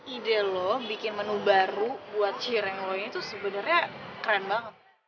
ide lo bikin menu baru buat cireng lo itu sebenernya keren banget